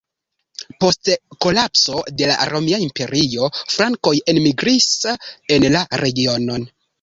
Post kolapso de la Romia Imperio frankoj enmigris en la regionon.